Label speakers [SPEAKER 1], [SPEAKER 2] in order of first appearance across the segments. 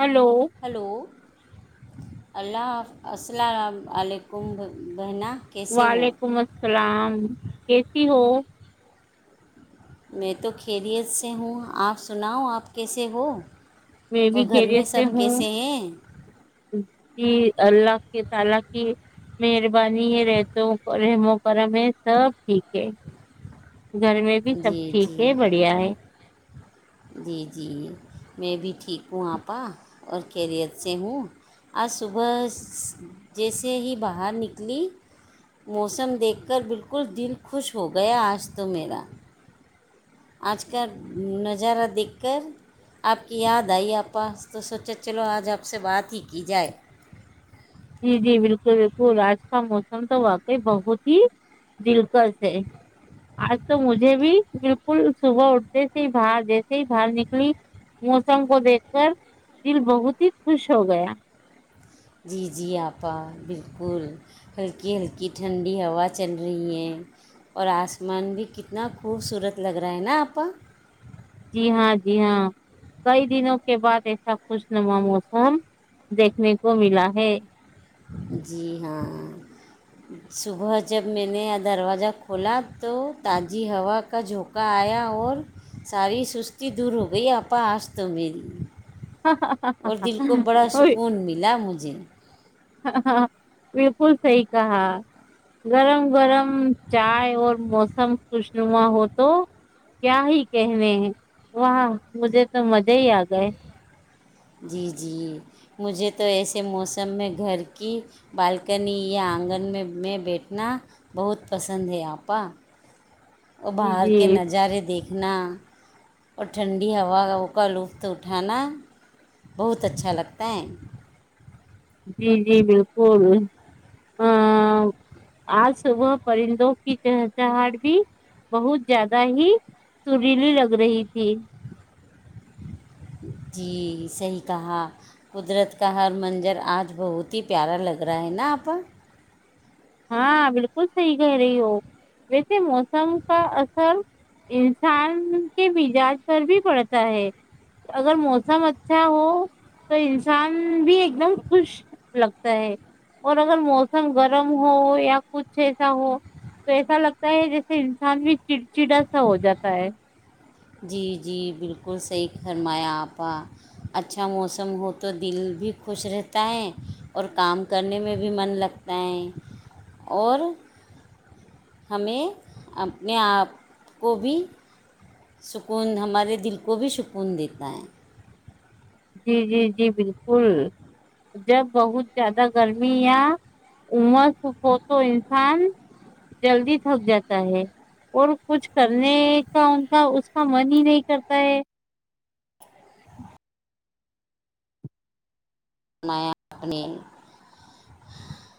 [SPEAKER 1] hello [unintelligible]
[SPEAKER 2] اللہف السلام علیکم بہنا کیسے ہو
[SPEAKER 1] وعلیکم السلام ہ ایسی ہو
[SPEAKER 2] میں تو [unintelligible] کیریئر سے ہوں آپ سناؤ آپ کیسے ہو
[SPEAKER 1] میں بھی
[SPEAKER 2] اور گھر
[SPEAKER 1] گھیرے
[SPEAKER 2] میں سب
[SPEAKER 1] سے ہوں
[SPEAKER 2] کیسے ہیں
[SPEAKER 1] اے اللہ کے تعالی کے مہربانی یہ رہتا ہوں رحم و کرم ہے سب ٹھیک ہے گھر میں بھی سب
[SPEAKER 2] جی
[SPEAKER 1] ٹھیک
[SPEAKER 2] جی
[SPEAKER 1] ہے بڑھیا ہے
[SPEAKER 2] جی جی میں بھی ٹھیک ہوں آپا اور خیریت سے ہوں آج صبح جیسے ہی باہر نکلی موسم دیکھ کر بالکل دل خوش ہو گیا آج تو میرا آج کا نظارہ دیککھھ کر آپ کی یاد آئی آ پاس تو سوچے چلو آج آپ سے بات ہی کی جائے
[SPEAKER 1] جی جی بالکل بالکل آج کا موسم تو واقعی بہت ہی دلکش ہے آج تو مجھے بھی بالکل صبح اٹھتے سے ہی باہر جیسے ہی باہر نکلی موسم کو دیکھ کر دل بہت ہی خوش ہو گیا
[SPEAKER 2] جی جی آپا بالکل ہلکی ہلکی ٹھنڈی ہوا چل رہی ہیں اور آسمان بھی کتنا خوبصورت لگ رہا ہے نا آپا
[SPEAKER 1] جی ہاں جی ہاں کئی دنوں کے بعد ایسا خوشنما موسم دیکھنے کو ملا ہے
[SPEAKER 2] جی ہاں صبح جب میں نے دروازہ کھولا تو تازی ہوا کا جھونکہ آیا اور ساری سستی دور ہو گئی آا آج تو میری
[SPEAKER 1] ہاں ہ
[SPEAKER 2] اور دل کو بڑا
[SPEAKER 1] ہ وہ
[SPEAKER 2] سکون ملا مجھے
[SPEAKER 1] ہاں ہاں بالکل صحیح کہا گرم گرم چائے اور موسم خوش نما ہو تو کیا ہی کہنے ہیں وہاہ مجھے تو مزے ہی آ گئے
[SPEAKER 2] جی جی مجھے تو ایسے موسم میں گھر کی بالکنی یا آنگن میں میں بیٹھنا بہت پسند ہے آپ کا وہ
[SPEAKER 1] جی
[SPEAKER 2] باہر کے
[SPEAKER 1] جی
[SPEAKER 2] نظارے دیکھے اھنا اور ٹھنڈی ہوا کا لطف اٹھانا بہت اچھا لگتا ہے
[SPEAKER 1] جی جی بالکل ا آج صبح پرندوں کی چہچہاٹ بھی بہت زیادہ ہی سریلی لگ رہی تھی
[SPEAKER 2] جی صحیح کہا قدرت کا ہر منظر آج بہت ہی پیارا لگ رہا ہے نا آپ
[SPEAKER 1] ہاں بالکل صحیح کہہ رہی ہو ویسے موسم کا اثر انسان کے مجاج پر بھی پڑتا ہے اگر موسم اچھا ہو تو انسان بھی ایک دم خوش لگتا ہے اور اگر موسم گرم ہو یا کچھ ایسا ہو تو ایسا لگتا ہے جیسے انسان بھی چڑچڑا سا ہو جاتا ہے
[SPEAKER 2] جی جی بالکل صحیح فرمایا آپ کا اچھا موسم ہو تو دل بھی خوش رہتا ہے اور کام کرنے میں بھی من لگتا ہے اور ہمیں اپنے آپ کو بھی سکون ہمارے دل کو بھی سکون دیتا ہے
[SPEAKER 1] جی جی جی بالکل جب بہت زیادہ گرمی یا عما سوکھ ہو تو انسان جلدی تھک جاتا ہے اور کچھ کرنے کا ان کا اس کا من ہی نہیں کرتا ہے
[SPEAKER 2] منا اپ اپنیل [unintelligible]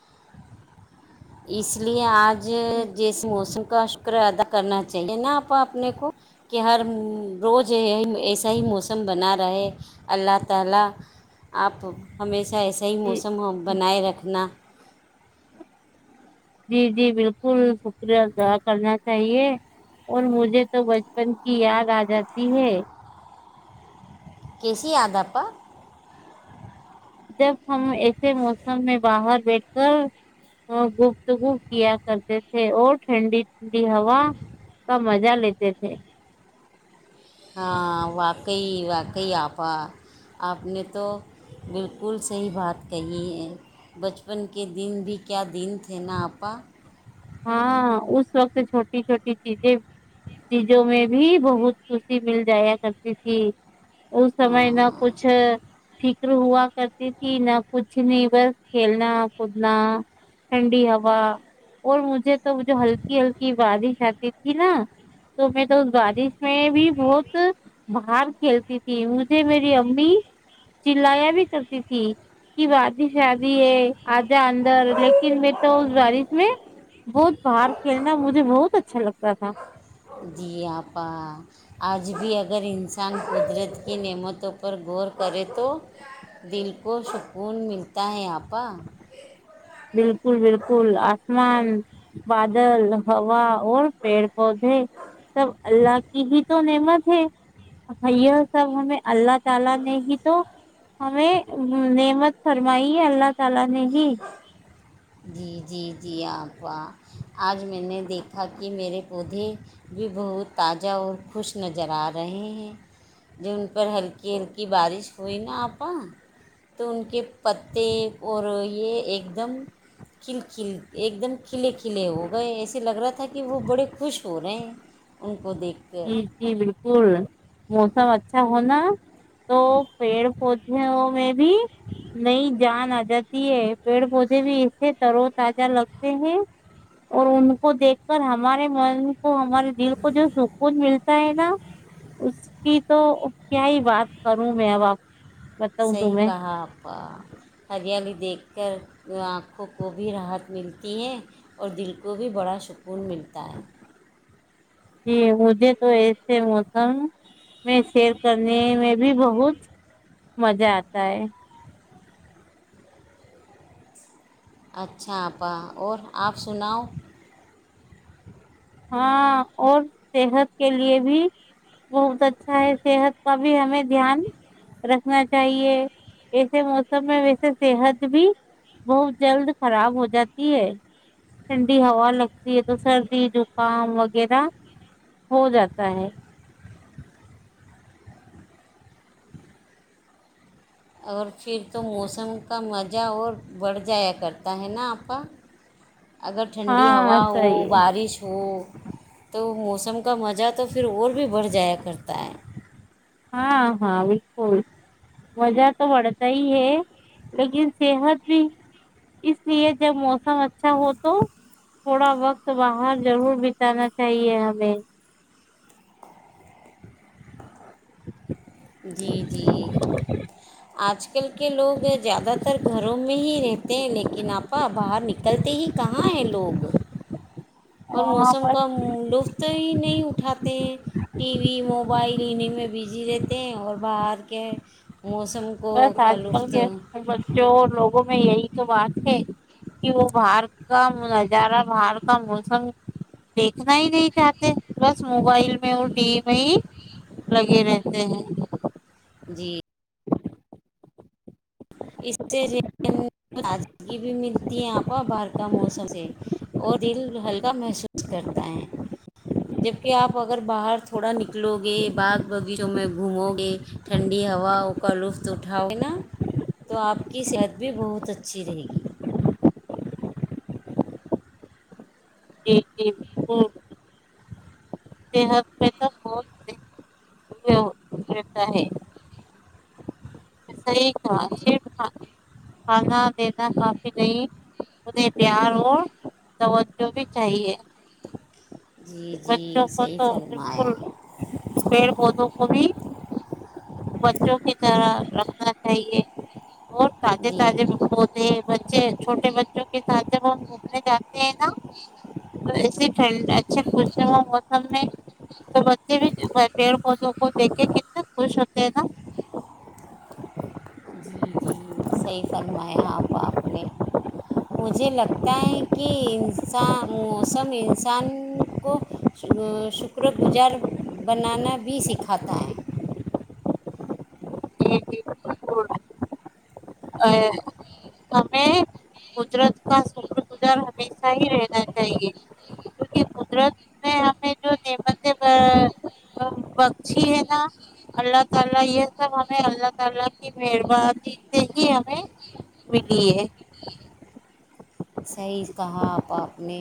[SPEAKER 2] اس لیے آج اج جس موسم کا شکر ادا کرنا چاہیے نہ اپ اپنے کو کہ ہر روز ایسا ہی موسم بنا رہا ہے اللہ تعالی اپ ہمیں ایسا ایسا ہی
[SPEAKER 1] جی
[SPEAKER 2] موسم ہو بنائے رکھنا
[SPEAKER 1] جی جی بالکل شکریہا کرنا چاہیے اور مجھے تو بچپن کی یاد آ جاتی ہے
[SPEAKER 2] ک سی یاادپ [unintelligible]
[SPEAKER 1] جب ہم ایسے موسم میں باہر بیٹھ کر گفتگو کیا کرتے تھے اور ٹھنڈی بھی ہوا کمج مجا لیتے تھے
[SPEAKER 2] ہاں واقعی واقعی آپا آپ نے تو بالکل صحیح بات کہی ہے بچپن کے دن بھی کیا دن تھے نا آپا
[SPEAKER 1] ہاں اس وقت چھوٹی چھوٹی چیزیں چیزوں میں بھی بہت خوشی مل جایا کرتی تھی ا سمے نہ
[SPEAKER 2] ہاں
[SPEAKER 1] کچھ فکر ہوا کرتی تھی نہ کچھ نہیں بس کھیلنا کودنا ٹھنڈی ہوا اور مجھے تو جو ہلکی ہلکی بارش آتی تھی نا تو میں تو اس بادش میں بھی بہت باہر کھیلتی تھی مجھے میری امی چلایا بھی کرتی تھی کہ وادش شادی ہے [inaudible] آ جا اندر لیکن میں تو اس بارش میں [inaudible] بہت باہر کھیلنا مجھے بہت اچھا [inaudible] اچھا لگتا تھا [inaudible]
[SPEAKER 2] کچھ بھی اگر انسان قدرت کی نعمتوں پر غور کرے تو دل [inaudible] کو سکون ملتا ہے آپا
[SPEAKER 1] [inaudible] نہیں
[SPEAKER 2] جی جی جی آپپ آج میں نے دیکھا کہ میرے پودے بھی بہت تازہ اور خوش نظر آ رہے ہیں جب ان پر ہلکی ہلکی بارش ہوئی نا آپا تو ان کے پتے اور یہ ایک دم کلل ایک دم کھلے کھلے ہو گئے ایسے لگ رہا تھا کہ وہ بڑے خوش ہو رہے ہیں ان کو دیکھ
[SPEAKER 1] جی
[SPEAKER 2] کر
[SPEAKER 1] جی بالکل موسم اچھا اچھا ہونا تو پیڑ پودوں میں بھی نئی جان آ جاتی ہے پیڑ پودے بھی ایسے ترو تازہ لگتے ہیں اور ان کو دیکھ کر ہمارے من کو ہمارے دل کو جو سوکھ کون ملتا ہے نا اس کی تو کیا ہی بات کروں میں ابپ [inaudible]
[SPEAKER 2] صی کہاپا حجیلی دیکھ کر آنکھوں کو بھی راحت ملتی ہے اور دل کو بھی بڑا سکون ملتا ہے
[SPEAKER 1] جی مجھے تو ایسے موسم میں سیر سنے میں بھی بہت مزہ آتا ہے [inaudible]
[SPEAKER 2] اچھا آپا اور آپ سناؤ
[SPEAKER 1] ہاں اور صحت کے لیے بھی بہت اچھا ہے صحت کا بھی ہمیں دھیان رکھنا چاہیے ایسے موسم میں ویسے صحت بھی بہت جلد خراب ہو جاتی ہے ٹھنڈی ہوا لگ یہ تو سردی جو [inaudible] کام وغیرہ ہو جاتا ہے [inaudible]
[SPEAKER 2] اور پھر تو موسم کا مزہ اور بڑھ جایا کرتا ہے نا آپ کا اگر ٹھنڈی
[SPEAKER 1] ہاں
[SPEAKER 2] ہوا ہو
[SPEAKER 1] صحیح
[SPEAKER 2] بارش ہو تو موسم کا مزہ تو پھر اور بھی بڑھ جایا کرتا ہے [inaudible]
[SPEAKER 1] ہاں ہاں بالکل مزہ تو بڑھتا ہی ہے لیکن صحت بھی اس لیے جب موسم اچھا ہو تو تھوڑا وقت باہر ضرور بتانا چاہیے ہمیں جچ
[SPEAKER 2] جی جی آج کل کے لوگ زیادہ تر گھروں میں ہی رہتے ہیں لیکن آپا باہر نکلتے ہی کہاں ہیں لوگ اور
[SPEAKER 1] ہاں
[SPEAKER 2] موسم
[SPEAKER 1] بس
[SPEAKER 2] کا لطف ہی نہیں اٹھاتے ہیں ٹی وی موبائل کلیننگ میں بزی رہتے ہیں اور باہر کے موسم کو
[SPEAKER 1] بس
[SPEAKER 2] کا
[SPEAKER 1] آج کل
[SPEAKER 2] لطف
[SPEAKER 1] کے بچے لوگ لوگوں میں یہی تو بات ہے کہ وہ باہر کا نظارہ باہر کا موسم دیکھنا ہی نہیں چاہتے بس موبائل میں اور ٹی وی میں ہی لگے رہتے ہیں
[SPEAKER 2] جی اس سے تازگی بھی ملتی ہے آپ باہر کا موسم سے اور دل ہلکا محسوس کرتا ہے جبک آپ اگر باہر تھوڑا نکلو گے باغ بغیچوں میں گھومو گے ٹھنڈی ہواؤں کا لطف اٹھاؤ گے نا تو آپ کی صحت بھی بہت اچھی رہے گی
[SPEAKER 1] جی جی ہ صحت پ بت و ہے صحیح تھا صرف کھانا دینا کافی نہیں انہیں پیار اور توجہ بھی چاہیے
[SPEAKER 2] جی جی
[SPEAKER 1] بچوں کو
[SPEAKER 2] صحیح
[SPEAKER 1] تو
[SPEAKER 2] فلما آیا
[SPEAKER 1] بالکل پیڑ پودوں کو بھی بچوں کی طرح رکھنا چاہیے اور تازے تازے
[SPEAKER 2] جی
[SPEAKER 1] ہوتے ہیں بچے چھوٹے بچے کے ساتھ جب ہم گھومنے جاتے ہیں نا ایے اچھے پچتے وہ موسم میں تو بچے بھی پیڑ پودوں کو دیکھ کے کتنے خوش ہوتے ہیں نا
[SPEAKER 2] جی جی صحیح فرمایں آپ آپ نے مجھے لگتا ہے کہ انسان موسم انسان کو شکر گزار بنانا بھی سکھاتا ہے
[SPEAKER 1] جی اے ہمیں اور ہمیشہ ہی رہنا چاہیے کیونکہ بچی ہیں نا اللہ تعالی یہ سب ہمیں اللہ تعالی کی مہربانی سے ہی ہمیں ملی ہے
[SPEAKER 2] صحیح کہا آپ آپ نے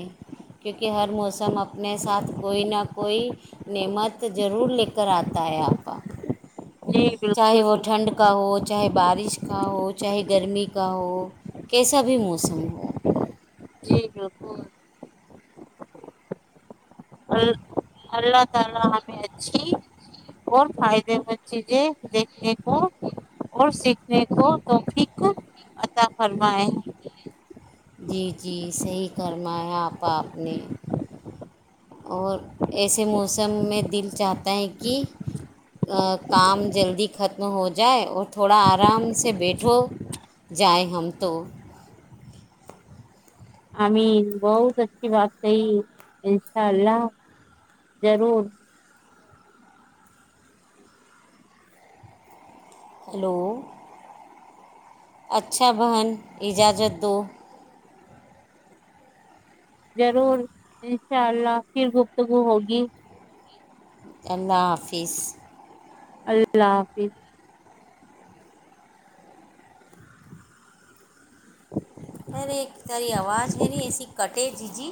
[SPEAKER 2] کیونکہ ہر موسم اپنے ساتھ کوئی نہ کوئی نعمت ضرور لے کر آتا ہے آپا
[SPEAKER 1] جی
[SPEAKER 2] چاہے
[SPEAKER 1] بالکل
[SPEAKER 2] وہ ٹھنڈ
[SPEAKER 1] بالکل
[SPEAKER 2] کا ہو چاہے بارش کا ہو چاہے گرمی کا ہو کیسا بھی موسم ہو
[SPEAKER 1] جی بالکل اللہ تعالی ہمیں اچھی اور فائدے مند چیزیں دیکھنے کو اور سیکھنے کو توفک عطا فرمائے
[SPEAKER 2] جی جی صحیح کرمایا اپنے ا پا اور ایسے موسم میں دل چاہتا ہے کہ کام جلدی ختم ہو جائے اور تھوڑا آرام سے بیٹھو جائیں ہم تو
[SPEAKER 1] امین بہت اچھی بات کہی ان شاء اللہ ضرور
[SPEAKER 2] ہیلو اچھا بہن اجازت دو
[SPEAKER 1] ضرور انشاء اللہ پھر گفتگو ہوگی
[SPEAKER 2] اللہ حافظ
[SPEAKER 1] اللہ حافظ
[SPEAKER 2] ارے تیری آواز ہے ن ایسی کٹے جی جی